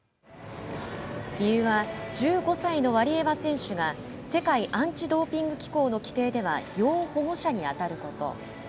理由は１５歳のワリエワ選手が世界アンチドーピング機構の規程では要保護者にあたること。